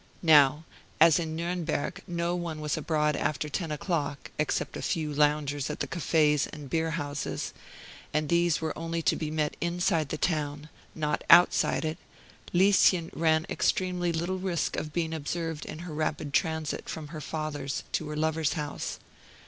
Now, as in Nuremberg no one was abroad after ten o'clock, except a few loungers at the cafes and beer houses, and these were only to be met inside the town, not outside it, Lieschen ran extremely little risk of being observed in her rapid transit from her father's to her lover's house.